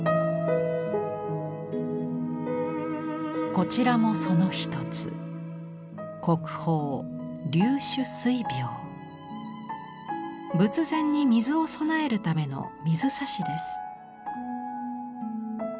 こちらもその一つ仏前に水を供えるための水差しです。